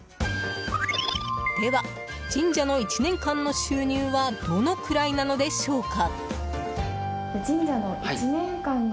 では、神社の１年間の収入はどのくらいなのでしょうか。